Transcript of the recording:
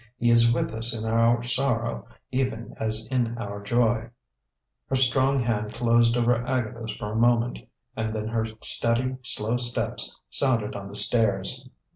He is with us in our sorrow, even as in our joy." Her strong hand closed over Agatha's for a moment, and then her steady, slow steps sounded on the stairs.